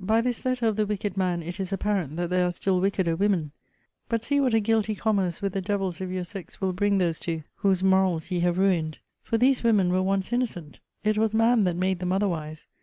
By this letter of the wicked man it is apparent that there are still wickeder women. But see what a guilty commerce with the devils of your sex will bring those to whose morals ye have ruined! For these women were once innocent: it was man that made them otherwise.